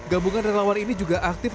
gabungan relawan ini juga aktif